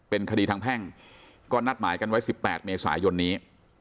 เป็นคดีทางแพ่งก็นัดหมายกันไว้๑๘เมษายนนี้